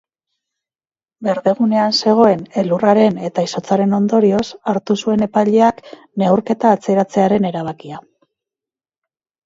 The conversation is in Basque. Berdegunean zegoen elurraren eta izotzaren ondorioz hartu zuen epaileak neurketa atzeratzearen erabakia.